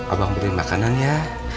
abang beliin makanan ya